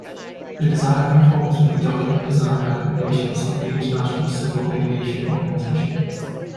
The design conforms with the document design recommendations of the International Civil Aviation Organization.